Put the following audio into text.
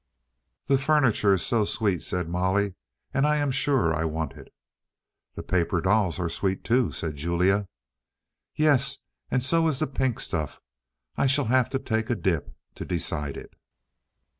"The furniture is so sweet," said Molly, "and I am sure I want it." "The paper dolls are sweet, too," said Julia. "Yes, and so is the pink stuff. I shall have to take a dip to decide it."